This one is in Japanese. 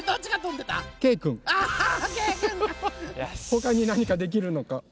ほかになにかできるのかな？